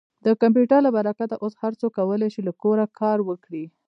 د کمپیوټر له برکته اوس هر څوک کولی شي له کوره کار وکړي.